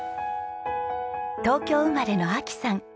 東京生まれの亜紀さん。